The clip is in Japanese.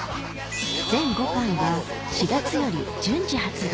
全５巻が４月より順次発売